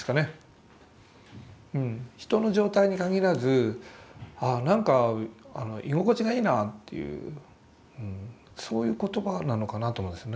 人の状態に限らずああなんか居心地がいいなというそういう言葉なのかなと思うんです。